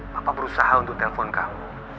papa berusaha untuk telepon kamu